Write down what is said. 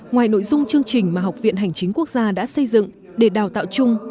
ngoài nội dung chương trình mà học viện hành chính quốc gia đã xây dựng để đào tạo chung